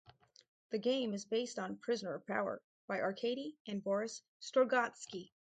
The game is based on "Prisoner of Power" by Arkady and Boris Strugatsky.